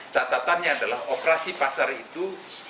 catatannya adalah operasi pasar itu